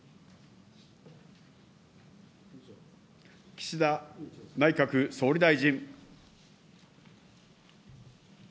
岸田内閣総理大臣。